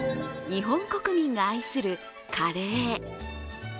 日本国民が愛するカレー。